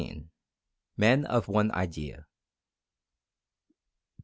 MEN OF ONE IDEA.